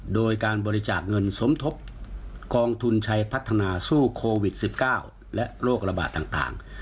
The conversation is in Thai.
โดยการบริจาคเงินสมทบกองทุนชัยพัฒนาสู้โควิด๑๙และโรคระบาดต่าง